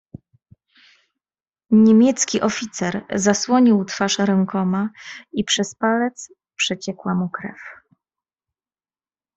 "Niemiecki oficer zasłonił twarz rękoma i przez palec przeciekła mu krew."